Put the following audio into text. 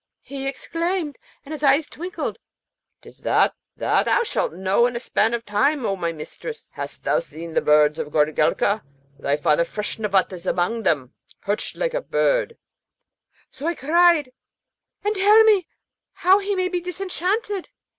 He exclaimed, and his eyes twinkled, ''Tis that? that shalt thou know in a span of time. O my mistress, hast thou seen the birds of Goorelka? Thy father Feshnavat is among them, perched like a bird.' So I cried, 'And tell me how he may be disenchanted.'